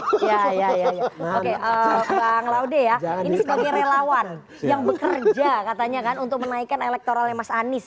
oke bang laude ya ini sebagai relawan yang bekerja katanya kan untuk menaikkan elektoralnya mas anies